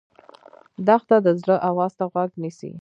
دښته د زړه آواز ته غوږ نیسي.